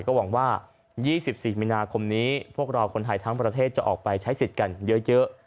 ก็หวังว่า๒๔มีนาคมนี้พวกเราคนไทยทั้งประเทศจะออกไปใช้สิทธิ์กันเยอะ